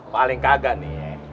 paling kaget nih ya